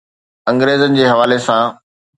انگريزن جي حوالي سان.